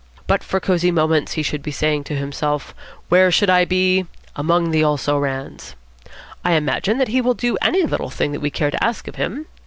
'But for Cosy Moments,' he should be saying to himself, 'where should I be? Among the also rans.' I imagine that he will do any little thing we care to ask of him.